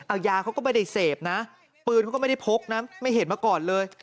เอายาเขาก็ไม่ได้เสพนะปืนเขาก็ไม่ได้พกนะไม่เห็นมาก่อนเลย